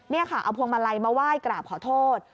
นี่ค่ะเอาพวงมาลัยมาไหว้กราบขอโทษ